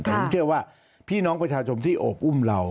แต่ผมเชื่อว่าพี่น้องประชาชนที่โอบอุ้มเรา